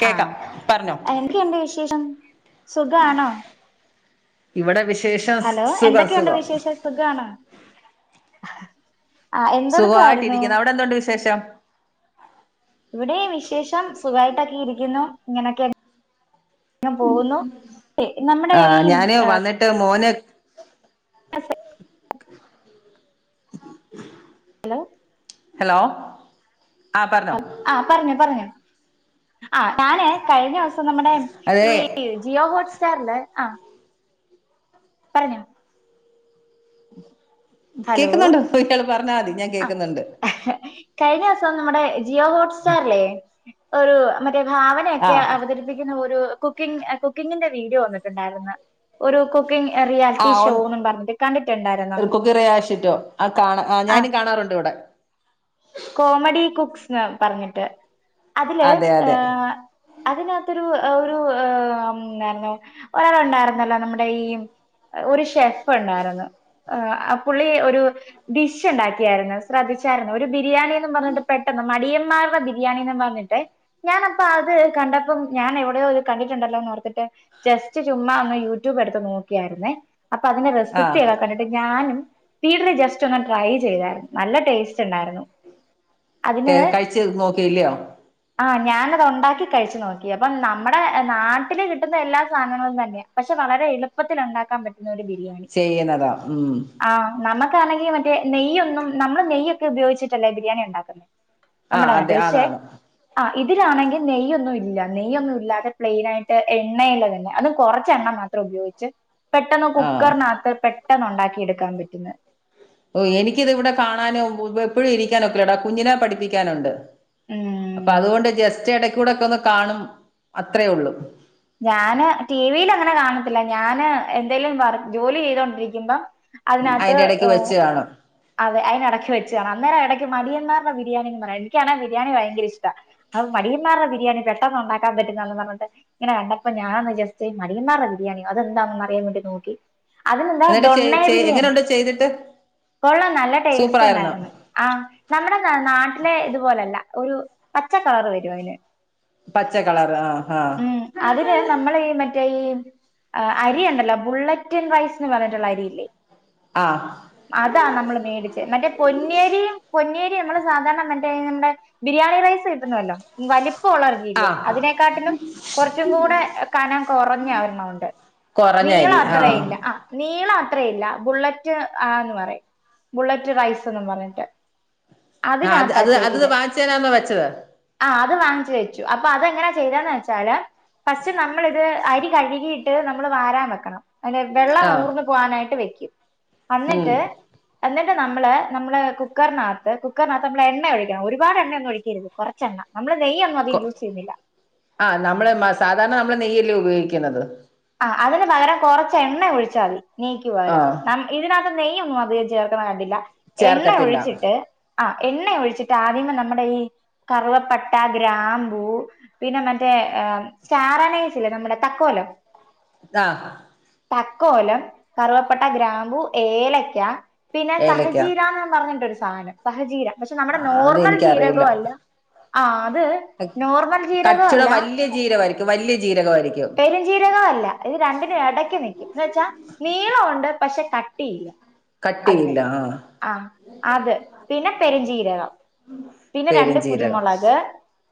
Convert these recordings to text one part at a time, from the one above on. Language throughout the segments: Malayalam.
കേക്കാം ആഹ് പറഞ്ഞോ അഹ് എന്തെക്കെയുണ്ട് വിശേഷം സുഖാണോ ഇവടെ വിശേഷം സ് സുഖം സുഖം സുഖാണ് ആഹ് എന്തൊടുക്കായിരുന്നു സുഖമായിട്ടിരിക്കുന്നു അവിടെ എന്തുണ്ട് വിശേഷം ഇവിടേം വിശേഷം സുഖായിട്ടൊക്കെ ഇരിക്കുന്നു ഇങ്ങനൊക്കെ അ അങ്ങ് പോകുന്നു എഹ് നമ്മുടെ കയ്യീ ഈ എഹ് ട്ട് മോന് [unintelligible] സ്സെ അ ഹലോ ഹലോ ആഹ് പർഞ്ഞോ ആഹ് പർഞ്ഞോ പർഞ്ഞോ ആഹ് ഞാന് കഴിഞ്ഞ ദിവസം നമ്മുടെ അതെ ഈ ജിയോ ഹോട്ട്സ്റ്റാറ്ല് ആഹ് പറഞ്ഞോ ഹലോ കേക്ക്ന്നുണ്ട് ഇയാള് പറഞ്ഞാ മതി ഞാൻ കേൾക്കുന്നുണ്ട് എഹ് കഴിഞ്ഞ ദിവസം നമ്മുടെ ജിയോ ഹോട്സ്റ്റാറ്ല്ലേ ഒരു മറ്റേ ഭാവന ആ നഒക്കെ അവതരിപ്പിക്കുന്ന ഒരു കുക്കിങ് എഹ് കുക്കിങ്ങിന്റെ വീഡിയോ വന്നിട്ടുണ്ടായിര്ന്ന് ഒരു കുക്കിങ് റിയാലിറ്റി ഷോന്നും പറഞ്ഞിട്ട് കണ്ടിട്ട്ണ്ടായിരുന്നോ ഗ്റെ ആശിറ്റോ ആഹ് കാണാ ആഹ് ഞാനും കാണാറുണ്ട് ഇവ്ടെ കോമഡി കുക്സ്ന്ന് പറഞ്ഞിട്ട് അതില് അതെ അതെ ഏഹ് അതിനകത്തൊരു ഒരു ഏഹ് ഒരു എഹ് ഉം ന്ന് അർഞ്ഞ് ഒരാളൊണ്ടായിരുന്നല്ലോ നമ്മടെ ഈ ഒരു ഷെഫ് ഉണ്ടാര്ന്ന് എഹ് ആ പുള്ളി ഒരു ഡി ഷ് ഇണ്ടാക്കിയായിര്ന്ന് ശ്രദ്ധിച്ചാര്ന്നൊ ഒരു ബിരിയാണിന്നും പർഞ്ഞ്ട്ട് പെട്ടെന്ന് മടിയന്മാരുടെ ബി രിയാണിന്നും പർഞ്ഞിട്ട് ഞാനപ്പ അത് കണ്ടപ്പം ഞാൻ എവിടെയോ ഇത് കണ്ടിട്ടുണ്ടല്ലോന്ന് ഓർത്തിട്ട് ജെസ്റ്റ് ചുമ്മാ ഒന്ന് യൂട്യൂബ് എട്ത്ത് നോക്കിയായിര്ന്നേ അപ്പൊ അതിന്റെ ആ റെസിപ്പിയൊക്കെ കണ്ടിട്ട് ഞാനും സ്പീഡ്ല് ജസ്റ്റ് ഒന്ന് ട്രൈ ചെയ്താര്ന്നു നല്ല ടേസ്റ്റ് ഇണ്ടാര്ന്നു ട്ടെ കഴിച്ച് നോക്കി ഇല്ലിയോ ആഹ് ഞാനത് ഒണ്ടാക്കി കഴിച്ചു നോക്കി അപ്പം നമ്മുടെ നാട്ടില് കിട്ട്ന്ന എല്ലാ സാധനങ്ങളും തന്നെയാ പക്ഷെ വളരെ എളുപ്പത്തിൽ ഉണ്ടാക്കാൻ പറ്റുന്ന ഒരു ബിരിയാണി ചെയ്യുന്നതാ ഉം ആഹ് നമ്മക്കാണെങ്കി മറ്റേ നെയ്യൊന്നും നമ്മള് നെയ്യൊക്കെ ഉപയോഗിച്ചിട്ടല്ലേ ബിരിയാണി ഉണ്ടാക്ക്ന്നെ ആ നമ്മടെ നാട്ടിൽ അതെ പക്ഷെ അതാണ് ആ ഇതിലാണെങ്കിൽ നെയ്യ് ഒന്നും ഇല്ല നെയ്യൊന്നും ഇല്ലാതെ പ്ലെയ്നായിട്ട് എണ്ണയില് തന്നെ അതും കൊറച്ച് എണ്ണ മതി [unintelligible] ഉപയോഗിച്ച് പെട്ടെന്ന് ആ കുക്കർനക് ത്ത് പെട്ടെന്ന് ഉണ്ടാക്കി എടുക്കാൻ പറ്റുന്ന ഓ എനിക്കിത് ഇവ്ടെ കാണാനും ഉ എപ്പഴും ഇരിക്കാനൊക്ക്ല്ലെടാ കുഞ്ഞിനെ പഠിപ്പിക്കാനുണ്ട് [unintelligible] അപ്പൊ അതുകൊണ്ട് ജസ്റ്റ് എടക്കൂടൊക്കെ ഒന്ന് കാണും അത്രേ ഒള്ളൂ ഞാന് ടി വിയിൽ അങ്ങനെ കാണത്തില്ല ഞാന് എന്തേലും വർ ജോലി ചെയ്തോണ്ടിരിക്കുമ്പം അതിനകത്ത് അതിന്റെ ഇടയ്ക്ക് വെച്ച് കാണും ഹ് അതെ അയ്നെടക്ക് വെച്ച്താണ് അന്നേരം എടയ്ക്ക് മടിയന്മാറ്ടെ ബിരിയാണി എന്ന് പറയും എനിയ്ക്കാണെ ബിരിയാണി ഭയങ്കര ഇഷ്ട്ടാ അപ്പൊ മടിയന്മാറുടെ ബിരിയാണി പെട്ടെന്നുണ്ടാക്കാൻ പറ്റുന്നതാണ് ന്ന് പർഞ്ഞ്ട്ട് ഇങ്ങനെ കണ്ടപ്പോ ഞാൻ ഒന്ന് ജസ്റ്റ് മടിയമ്മാറ്ടെ ബിരിയാണിയൊ അതെന്താണെന്ന് അറിയാൻ വേണ്ടി നോക്കി അത് നെന്താ എന്നിട്ട് ചെ ഡോൺണ്ണേ ചെ ബിരിയാണി എങ്ങനെയുണ്ട് ചെയ്തിട്ട് കൊളളാം നല്ല ടേസ്റ്റ് സൂപ്പറായിരുന്നോ ഉണ്ടായിരുന്നു ആ നമ്മുടെ ന നാട്ട്ലെ ഇതുപോലല്ല ഒരു പച്ചക്കളറ് വരും അയ്ന് പച്ച കളർ ആ ഹാ ഉം അതിന് നമ്മളെ ഈ മറ്റേ ഈ അരി ഉണ്ടല്ലോ ബുള്ളറ്റ് റ്റ്ൻ റൈസ് ന്ന് പറഞ്ഞിട്ടുള്ള അരിയില്ലേ ആഹ് അതാ നമ്മള് മേടിച്ചേ മറ്റേ പൊന്നേരിയും പൊന്നേരി നമ്മള് സാധാരണ മറ്റേ നമ്മ്ടേ ബിരിയാണി റൈസ് കിട്ടുന്നുവല്ലോ വലിപ്പവുള്ള ആ അരിയില്ലേ അതിനേക്കാട്ട്ലും കൊറച്ചും കൂടെ കനം കൊറഞ്ഞ ഒരെണ്ണമുണ്ട് കൊറഞ്ഞ നീളം അരി ആ അത്രേ ഇല്ല ആ നീളത്രയില്ല ബുള്ളറ്റ് ആ ന്ന് പറയും ബുള്ളറ്റ് റൈസ്ന്നും പറഞ്ഞിട്ട് ആ അത് അതിനകത്താ അത് അത് ചെയ്ത് വാങ്ങ്ച്ചെരാംന്നാ വെച്ചത് ആ അത് വാങ്ങിച്ചു വെച്ചു അപ്പൊ അതെങ്ങനാ ചെയ്തന്ന് വെച്ചാല് ഫസ്റ്റ് നമ്മളിത് അരി കഴുകിയിട്ട് നമ്മള് വാരാൻ വെക്കണം അതിന്റെ വെള്ളം ആ ഊർന്നു പോവാനായിട്ട് വെയ്ക്കും അന്നിട്ട് ഉം എന്നിട്ട് നമ്മള് നമ്മ്ള് കുക്കറിനകത്ത് കുക്കറിനകത്ത് നമ്മ്ള് എണ്ണ ഒഴിക്കണം ഒരുപാട് എണ്ണ ഒന്നും ഒഴിക്കരുത് കൊറച്ചെണ്ണ നമ്മ്ള് നെയ്യൊന്നും അതീ കൊ യൂസ് ചെയ്യുന്നില്ല ആ നമ്മ്ള് മ സാധാരണ നമ്മ്ള് നെയ്യല്ലേ ഉപയോഗിക്കുന്നത് ആ അതിന് പകരം കൊറച്ച് എണ്ണ ഒഴിച്ചാതി നെയ്ക്ക് ആ പകരം നമ്മ് ഇതിനകത്ത് നെയ്യോന്നും അധികം ചേർക്ക്ണ് കണ്ടില്ല എണ്ണ ചേർക്കത്തില്ല ഒഴിച്ചിട്ട് ആ എണ്ണ ഒഴിച്ചിട്ട് ആദ്യമേ നമ്മ്ടെ ഈ കറ് വപ്പട്ട, ഗ്രാമ്പൂ പിന്നെ മറ്റേ സ്റ്റാറാനേച്ചില്ലേ നമ്മുടെ തക്കോലം ഇത്താ തക്കോലം, കറുവപ്പട്ട, ഗ്രാമ്പൂ ഏലക്ക പിന്നെ ഏലക്ക സഹജീര ന്നും പറഞ്ഞിട്ടൊരു സാനം സഹജീര പക്ഷെ നമ്മുടെ ആ നോർമൽ അതെനിക്കറിയില്ല ജീരകോ അല്ല ആ അത് നോർമൽ ജീരകോ അല്ല ജീരകവായിരിക്കും വല്ല്യ ജീരകവായിരിക്കും പെരും ജീരകോ അല്ല ഇത് രണ്ടിനും എടയ്ക്ക് നിയ്ക്കും എന്ന് വെച്ചാ നീളോണ്ട് പക്ഷെ കട്ടിയില്ല അതിന് ആ അത് പിന്നെ പെര്ഞ്ചീരകം പിന്നെ രണ്ട് പെരുംജീരകം കുരുമുളക്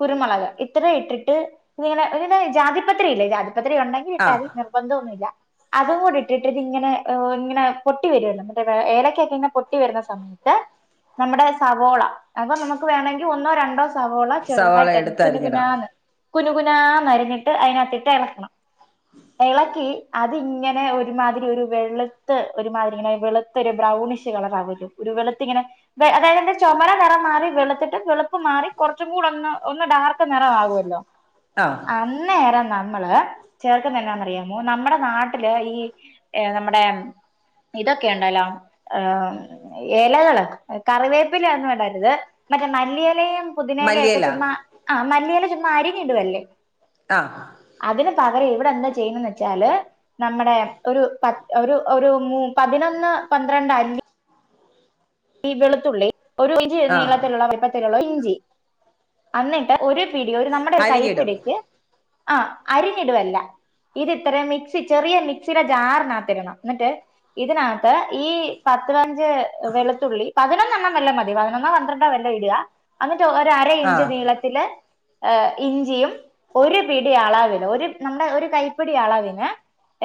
കുരുമുളക് ഇത്രയും ഇട്ടിട്ട് പിന്നെ ഇങ്ങനെ ഒര് നുറി ജാതിപത്രി ഇല്ലേ ജാതിപത്രി ഉണ്ടെങ്കിൽ ആ ഇട്ടാതി നിർ ബന്തോന്നില്ല അതും കൂടി ഇട്ടിട്ട് ഇത് ഇങ്ങനെ ഓ ഇങ്ങന പൊട്ടി വരൊല്ലോ മറ്റേ ഏലക്കൊക്കെ ഇങ്ങനെ പൊട്ടി വരുന്ന സമയം ത്ത് നമ്മുടെ സവോള അപ്പൊ നമുക്ക് വേണെങ്കി ഒന്നൊ രണ്ടൊ സവോള സവാള ചെറുതായിട്ടരിഞ് എടുത്ത് അരിഞ്ഞിടാം കുനുകുനാന്ന് കുനുകുനാ ന്നരിഞ്ഞിട്ട് അതിനകത്തിട്ട് എളക്കണം എളക്കി അതി ഇങ്ങനെ ഒരുമാതിരി ഒരു വെളുത്ത് ഒരുമാതിരി ഇങ്ങനെ വെള് ഒരു ബ്രൗണിഷ് കളറാവല്ലൊ ഒരു വെളുത്തിങ്ങനെ അതായത് എന്റെ ചുമന നിറം മാറി വെള് വെളുപ്പ് മാറി കൊറ്ച്ചു കൂടൊന്ന് ഒന്ന് ഡാർക്ക് നെറ ആവല്ലൊ ആ ആഹ് അന്നേരം നമ്മള് ചേർക്ക്ന്ന എന്നാന്നറിയൊ? നമ്മടെ നാട്ടില് ഈ ഏഹ് നമ്മടെ ഇതൊക്കെ ഉണ്ടല്ലൊ ഏഹ് എലകള് കറിവേപ്പിലൊന്നു ഇടരുത് മറ്റെ മല്ലിയെലയും പുതിന എല ഒക്കെ മല്ലിയില ചുമ്മാ ആഹ് മല്ലയില ചുമ്മാ അരിഞ് ഇടുവല്ലെ ആഹ് അതിന് പകരം ഇവിടെ എന്ത ചെയ്യ്ന്നെന്ന് വെച്ചാല് നമ്മടേ ഒരു പ ഒരു ഒരു മൂ പതിനൊന്ന് പന്ത്രണ്ട് അല്ലി ഈ വെളുത്തുള്ളി ഒരു ഇഞ്ചി ആ നീളത്തിലുള്ള വലുപ്പത്തിലുള്ള ഇഞ്ചി അന്നിട്ട് ഒരു പിടി ഒരു നമ്മടെ ഒരു അരിഞ്ഞിടും കൈപ്പിടിക്ക് ആഹ് അരിഞ്ഞിടുവല്ല ഇത് ഇത്ത്രയും മിക്സി ചെറിയ മിക്സിടെ ജാറിനകത്തിടണം എന്നിട്ട് ഇതിനകത്ത് ഈ പത്തപഞ്ച് വെള് പതിനൊന്നെണ്ണം വെല്ലം മതി പതിനൊന്നൊ പന്ത്രണ്ടൊ വെല്ലം ഇടുക അന്നിട്ട് ഒര് അര ആ ഇഞ്ച് നീള ത്തില് ഏഹ് ഇഞ്ചിയും ഒരു പിടി അളവിന് ഒരു നമ്മുടെ ഒരു കൈപ്പിടി അളവിന്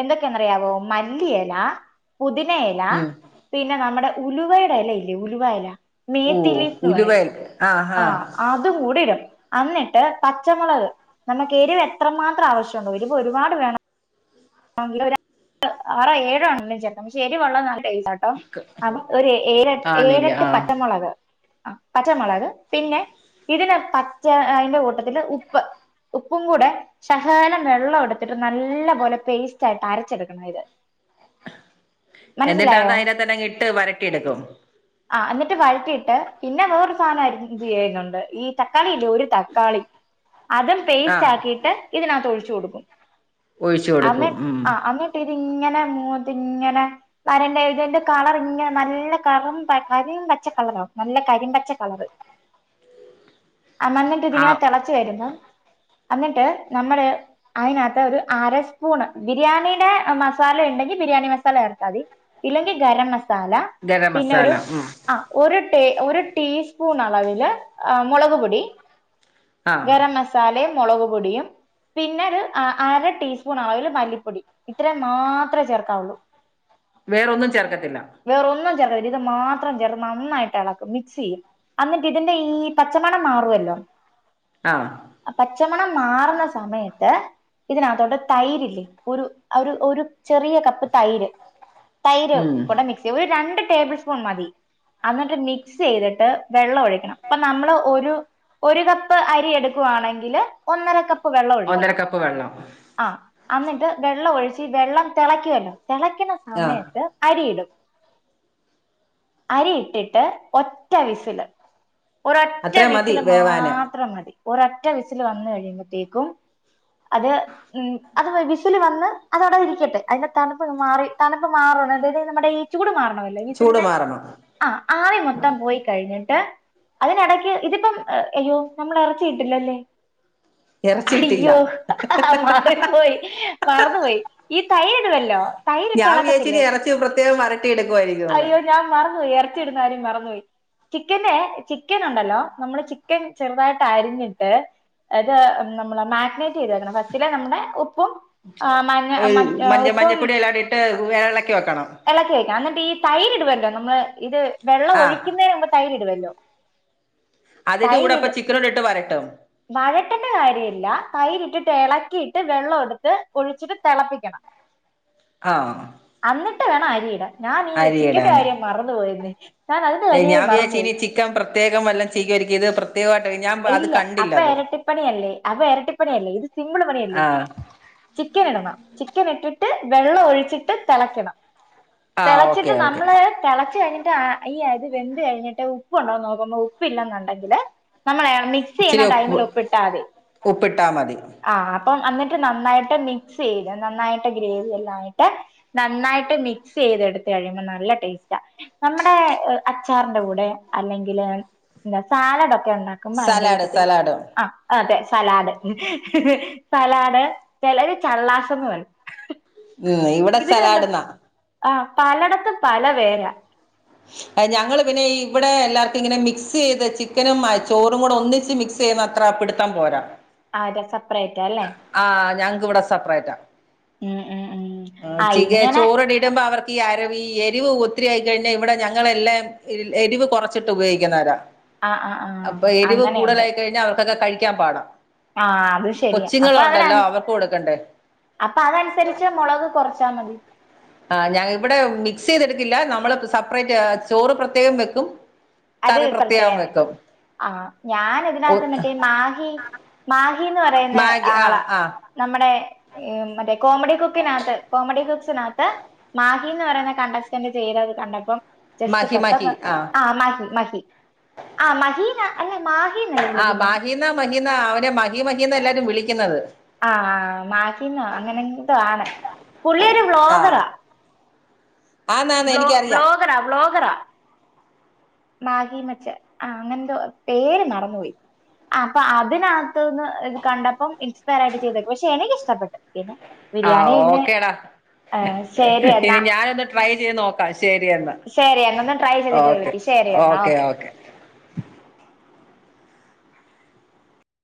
എന്തൊക്കെന്നറിയാവൊ മല്ലി എല പുതിന ഇല ഉം പിന്ന നമ്മടെ ഉലുവേട ഇല ഇല്ലെ ഉലുവാ ഇല ഓ മീത്തിലീഫ്ന്ന് ഉലുവ പറയും ആ ആ ആഹ് അതും കൂടി ഇടണം അന്നിട്ട് പച്ചമുളക് നമുക്ക് എരിവ് എത്രമാത്രം ആവശ്യണ്ടൊ എരിവ് ഒരുപാട് വേണം ആറൊ ഏഴാണേലു ചേർക്ക പക്ഷെ എരിവുള്ള നല്ല ടേസ്റ്റ ട്ടൊ ഒര് ഏഴ ആന്നില്ല ഏഴട്ട് ആ പച്ചമുളക് ആഹ് പച്ചമുളക് പിന്നെ ഇതിന് പച്ചാ അതിന്റെ കൂട്ടത്തില് ഉപ്പ് ഉപ്പും കൂടെ ശഹലം വെള്ളം എടുത്തിട്ട് നല്ല പോലെ പെയ്സ്റ്റായിട്ട് അരച്ചെടുക്കണം ഇത് എന്നിട്ട് അത് മനസ്സിലായോ അതിനകത്താട്ടങ്ങ് ഇട്ട് വരട്ടിയെടുക്കും ആഹ് എന്നിട്ട് വഴറ്റിയിട്ട് പിന്ന വേറൊരു സാധനം ആഹ് ഇത് ചെയ്യുന്നുണ്ട് ഈ തക്കാളി ഇല്ലെ ഒര് തക്കാളി അതും ആ പെയ്സ്റ്റാക്കീട്ട് ഇതിനകത്ത് ഒഴിച്ചു കൊടുക്കും ഒഴിച്ചു അന്ന് കൊടുക്കും ഉം അന്നിട്ടിതിങ്ങനെ മോട്ടിങ്ങനെ വരന്റെ ഇതിന്റെ കളറ് ഇങ്ങന നല്ല കറും കരിം പച്ച കളറ് നല്ല കരിം പച്ച കളറ് ഉ അന്നാന്നിട്ട് ഇതിങ്ങന തള രുമ്പ അന്നിട്ട് നമ്മള് അതിനകത്ത് ഒരു അര സ് പൂണ് ബിരിയാണീടെ മസാല ഇണ്ടെങ്കി ബിരിയാണി മസാല ചേർത്ത മതി ഇല്ലെങ്കി ഗരം മസാല ഗരം മസാല ഉം ആഹ് ഒരു ടേ ഒരു ടീസ്പൂൺ അളവില് ഏഹ് മൊളക്പൊടി ആ ഗരം മസാലിം മൊളകു പൊടിയും പിന്നെ ഒരു അര ടീസ് സ്പൂൺ അളവില് മല്ലിപ്പൊടി ഇത്രെ മാത്രെ ചേർക്കാവുള്ളു വേറൊന്നും ചേർക്കത്തില്ല വേറൊന്നും ചേർക്ക ഇത് മാത്രം ചേർത് നന്നായിട്ട് എളക്കും മിക്സിയ്യും അന്നിട്ട് ഇതിന്റെ ഈ പച്ചമണം മാറുവല്ലോ ആഹ് അ പച്ചമണം മാറ്ന്ന സമയത്ത് ഇതിനകത്തോട്ട് തൈരില്ലേ ഒരു ഒരു ഒരു ചെറിയ കപ്പ് തൈര് തൈര് ഉം കൂടെ മിക് എ ഒരു രണ്ട് ടേബിൾ സ്പൂൺ മതി അന്നട്ട് മിക്സെയ്തിട്ട് വെള്ളം ഒഴിക്കണം പ്പ നമ്മള് ഒരു ഒരു കപ്പ് അരി എടുക്കുവാണെങ്കില് ഒന്നര കപ് ഒന്നര കപ്പ് വെള്ളം ആഹ് അന്നിട്ട് വെള്ളം ഒഴിച്ച് വെള്ളം തെളക്കുവല്ലോ തെളയ്ക്ക്ന്ന ആ സമയത്ത് അരിയിടും അരി ഇട്ടിട്ട് ഒറ്റ വിസില് ഒരൊറ്റ അത്രയും മതി വിസില് വേവാന് മാത്രം മതി ഒരൊറ്റ വിസിൽ വന്ന് കഴിയുമ്പത്തേക്കും അത് ഉം അത് വിസില് വന്ന് അതവിടെ ഇരിക്കട്ടെ അതിന്റെ തണുപ്പ് മാറി തണുപ്പ് മാറണം അതായത് നമ്മുടെ ഈ ചൂട് മാറണമല്ലോ ചൂട് വിസില്ന്റെ മാറണം ആ ആവി മൊത്തം പോയി കഴിഞ്ഞിട്ട് അതിനെടക്ക് ഇതിപ്പം അയ്യോ നമ്മളെ റച്ചി ഇട്ടില്ലല്ലേ ഇറച്ചിയിട്ടില്ല ഹയ്യോ മ റി പോയി മറന്നു പോയി ഈ തൈരി ടുവല്ലോ ഞാൻ വിചാരിച്ചിനി തൈരിട്ടെളക്കത്തില്ലേ ഇറച്ചി പ്രത്യേകം വരട്ടി എടുക്കുവായിരിക്കുമെന്ന് അയ്യോ ഞാൻ മറന്നുപോയി, എറച്ചി ഇടുന്ന കാര്യം മറന്നുപോയി ചിക്കന്റെ ചിക്കനുണ്ടല്ലോ, നമ്മള് ചിക്കൻ ചെറുതായിട്ടരിഞ്ഞിട്ട് അത് നമ്മള് മാഗിനേറ്റ് ചെയ്ത് വെക്കണം ഫസ്റ്റിലേ നമ്മടെ ഉപ്പും ആഹ് മഞ്ഞ വെഹ് മറ്റ് മഞ മഞ്ഞപ്പൊടി എല്ലാടിട്ട് എളക്കി വെക്കണം എളക്കി വെക്കണം. അന്നട്ട് ഈ തൈരിടുവല്ലോ നമ്മള് ഇത് വെള്ളം ആഹ് ഒഴിക്കുന്നതിന് മുമ്പ് തൈരിടുവല്ലോ അതിന്റെ കൂടെ പ്പ ചിക്കനോടെ ട്ട് വരട്ടും വഴട്ടന്റെ കാര്യല്ല തൈരിട്ടിട്ട് എളക്കിയിട്ട് വെള്ളം എടുത്ത് ഒഴിച്ചിട്ട് തെളപ്പിക്കണം ആഹ് അന്നട്ട് വേണം അരിടാൻ. ഞാനീ ചിക്കന്റെ അരിയിടാന് കാര്യം മറന്നു പോയന്നെ ഞാനതിന്റെ കാര്യേ ഞാൻ മറന്നു വിചാരിച്ച് പോയി ഇനി ചിക്കൻ പ്രത്യേകം വല്ലം ചികര്ക്കിയത് പ്രത്യേകായിട്ട് ഞാൻ അത് കണ്ടില്ല അത് പണിയല്ലേ അപ്പ എരട്ടിപ്പണിയല്ലേ ഇത് സിമ്പിൾ പണിയല്ലേ ആഹ് ചിക്കനിടണം, ചിക്കനിട്ടിട്ട് വെള്ളം ഒഴിച്ചിട്ട് തെളയ്ക്കണം ആഹ് തെളച്ചിട്ട് ഓക്കെ ഓക്കെ നമ്മള് തെളച്ചു കഴ്ഞ്ട്ട് ആ ഈ അരി വെന്ത് കഴിഞ്ഞിട്ട് ഉപ്പ്ണ്ടോന്ന് നോക്കുമ്പോ ഉപ്പില്ലെന്നുണ്ടെങ്കില് നമ്മളെ മിക്സെയ്യുന്ന ഇച്ചിരി ഉപ്പ് ടൈമിലുപ്പിട്ടാതി ഉപ്പിട്ടാ മതി ആഹ് അപ്പം അന്നിട്ട് നന്നായിട്ട് മിക്സെയ്ത് നന്നായിട്ട് ഗ്രേവി എല്ലാആയിട്ട് നന്നായിട്ട് മിക്സെയ്തെടുത്ത് കഴിയുമ്പൊ നല്ല ടേസ്റ്റാ നമ്മടെ അച്ചാറിന്റെ കൂടെ അല്ലെങ്കില് ന്താ സാലടൊക്കെ ഒണ്ടാ ക്ക്മ്പോ അയ്ന്റെ സലാഡ് കൂട്ടത്തില് സലാഡ് ആഹ് അതെ സലാഡ്, സലാഡ് ചെലര് ചള്ളാസെന്ന് പറയും ഉം ഇവിടെ സലാഡ് ന്നാ ആഹ് പലടത്തും പല പേരാ ഞങ്ങള് പിന്നെ ഇവിടെ എല്ലാർക്കുങ്ങനെ മിക്സെയ്ത് ചിക്കനും മായ് ചോറും കൂടെ ഒന്നിച്ച് മിക്സ് സെയ്യ്ന്നത്ര പിട്ത്തം പോരാ ആ സെപ്പറേറ്റ് അല്ലേ ആഹ് ഞങ്‌ക്ക് വടെ സപ്റേറ്റാ ഉം ഉം ഉം ആ ചികെ ഇങ്ങനെ ചോറ്ടിട്മ്പോ അവർക്കീ അരവ് ഈ എരിവ് ഒത്തിരിയായി കഴി ദെ ഇവിടെ ഞങ്ങളെല്ലാം എൽ എരിവ് കൊറച്ചിട്ട് ഉപയോഗിക്കുന്നവരാ. ആ ആ ആ അപ്പൊ എരിവ് അങ്ങനെയുണ്ട് കൂടലായി കഴിഞ്ഞാ അവർക്കൊക്കെ കഴിക്കാൻ പാടാ. ആഹ് അത് ശരിയാ അപ്പ അവനൻ കൊച്ചുങ്ങളുണ്ടല്ലോ അവർക്ക് കൊടുക്കണ്ടേ അപ്പതൻസര്ച്ച് മൊളക് കൊറച്ചാ മതി. ആഹ് ഞാ ഇവടെ മിക്സെ യ്തെട്ക്കില്ല നമ്മള് സപ്പ്റേറ്റ് ചോറ് പ്രത്യേകം വെക്കും. അത് കറി പ്രത്യേകം വെക്കും ആഹ് ഞാനി തിനകത്ത്ന്നിട്ടേ മാഹി മാ ഹി ന്ന് പറയുന്നെ മാഗി ആ ആളാ. ആ നമ്മുടെ മറ്റേ കോമഡി കുക്കിനാത്ത് കോമഡി കുക്സിനകത്ത് മാ ഹിന്ന് പറയ്ന്ന കണ്ടൻസ്‌റ്റൻറ് ചെയ്തത് കണ്ടപ്പം ജസ്റ്റ് മഹി മഹി പെട്ടന്ന് ആ ആഹ് മഹി മഹി ആഹ് മഹീന അല്ല മാഹിന്നല്ലേ? ആ വിളിക്കുന്നേ മാഹീന്ന മഹീന്നൊ അവനെ മഹീ മഹീന്ന എല്ലാരും വിളിക്കുന്നത്. ആഹ് മാഹീന്നോ അങ്ങനെന്തൊ ആണ് പുള്ളിയൊരു ആഹ് വ്ലോഗറാ. ആന്നാന്ന് എനിക്കറിയാം. വ്ലോഗറ വ്ലോഗറ മാഹി മച്ച ആഹ് അങ്ങനെന്തോ പേര് മറന്ന് പോയി. അപ്പൊ അതിനകത്തുന്ന് ഇത് കണ്ടപ്പം ഇൻസ് പെയറായിട്ട് ചെയ്ത് പക്ഷെ എനിക്കിഷ്ടപ്പെട്ട്. പിന്നെ ആഹ് ബിരിയാണി പിന്നെ ഓക്കേടാ. ശരി ഇനി എന്നാ ഞാനൊന്ന് ട്രൈ ചെയ്ത് നോക്കാം ശരിയന്ന ശരി എന്നൊന്ന് ട്രൈ ചെയ്തിട്ട് ഓക്കെ. വിളിക്ക് ശരി എന്നാ ഓക്കെ.